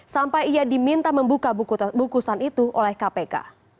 sampai ia diminta membuka bungkusan itu oleh kpk